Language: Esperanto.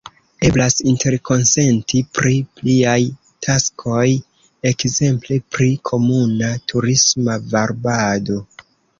Eblas interkonsenti pri pliaj taskoj, ekzemple pri komuna turisma varbado.